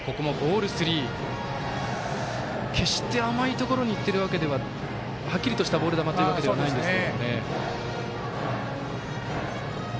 決して甘いところにいっているわけでははっきりとしたボール球というわけではないんですが。